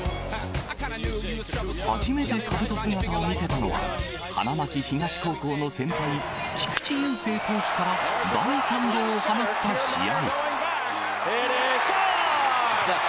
初めてかぶと姿を見せたのは、花巻東高校の先輩、菊池雄星投手から第３号を放った試合。